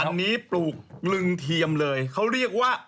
อันนี้ปลูกลึงเทียมเลยเขาเรียกว่า